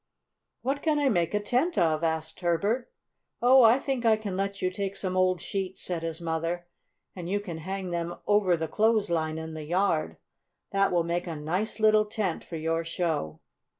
"What can I make a tent of?" asked Herbert. "Oh, I think I can let you take some old sheets," said his mother, "and you can hang them over the clothesline in the yard. That will make a nice little tent for your show."